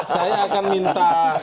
saya akan minta